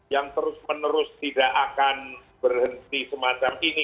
yang terus menerus tidak akan berhenti semacam ini